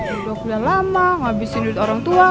udah dua bulan lama ngabisin duit orang tua